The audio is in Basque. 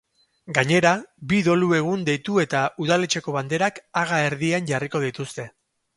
Gainera, bi dolu-egun deitu eta udaletxeko banderak haga erdian jarriko dituzte.